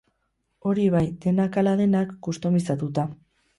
Hori bai, denak ala denak, kustomizatuta.